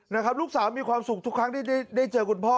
นะครับลูกสาวมีความสุขทุกครั้งที่ได้เจอคุณพ่อ